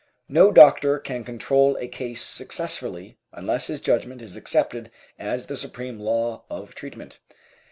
No doctor can control a case successfully unless his judgment is accepted as the supreme law of treatment.